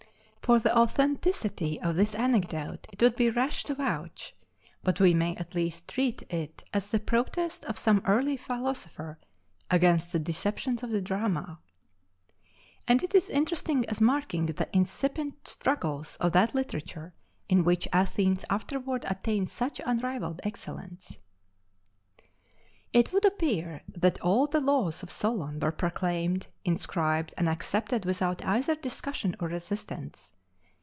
For the authenticity of this anecdote it would be rash to vouch, but we may at least treat it as the protest of some early philosopher against the deceptions of the drama: and it is interesting as marking the incipient struggles of that literature in which Athens afterward attained such unrivaled excellence. It would appear that all the laws of Solon were proclaimed, inscribed, and accepted without either discussion or resistance.